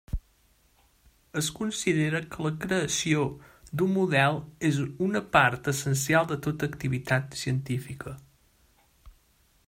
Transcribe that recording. Es considera que la creació d'un model és una part essencial de tota activitat científica.